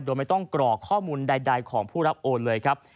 โดยไม่ต้องกรอกข้อมูลใดของผู้รับโอนเลยครับ